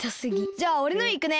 じゃあおれのいくね。